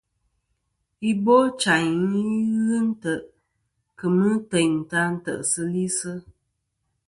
Ibochayn i ghɨ ntè' kemɨ teyn ta tɨsilisɨ.